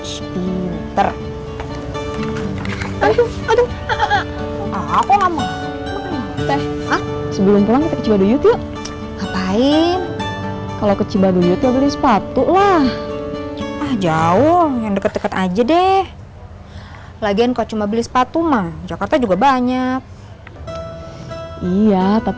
sampai jumpa di video selanjutnya